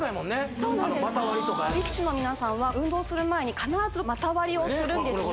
股割りとか力士の皆さんは運動する前に必ず股割りをするんですね